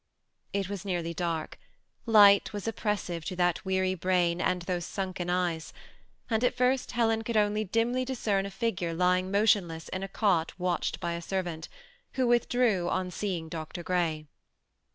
It was nearly dark; light was oppressive to that weary brain and those sunken eyes ; and at first Helen could only dimly discern a figure lying motionless in a cot watched by a servant, who withdrew on seeing Dr. Grey.